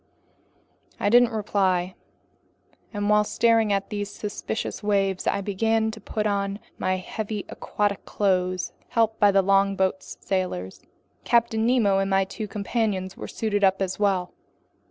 I didn't reply, and while staring at these suspicious waves, I began to put on my heavy aquatic clothes, helped by the longboat's sailors. Captain Nemo and my two companions suited up as well.